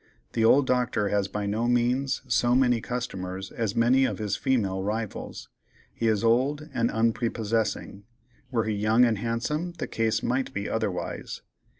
The old Doctor has by no means so many customers as many of his female rivals; he is old and unprepossessing—were he young and handsome the case might be otherwise.